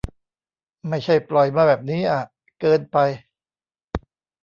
ไม่ใช่ปล่อยมาแบบนี้อะ เกินไป